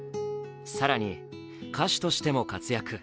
更に歌手としても活躍。